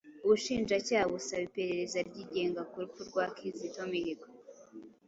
ubushinjacyaha busaba iperereza ryigenga ku rupfu rwa Kizito Mihigo